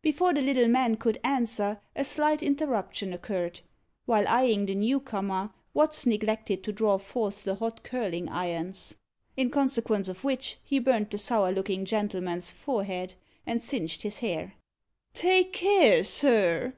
Before the little man could answer, a slight interruption occurred. While eyeing the new comer, Watts neglected to draw forth the hot curling irons, in consequence of which he burnt the sour looking gentleman's forehead, and singed his hair. "Take care, sir!"